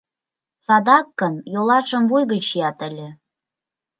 — Садак гын, йолашым вуй гыч чият ыле...